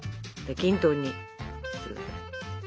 均等にしてください。